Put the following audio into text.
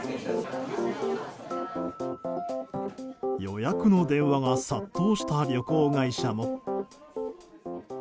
予約の電話が殺到した旅行会社も。